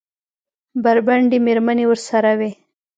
بربنډې مېرمنې ورسره وې؟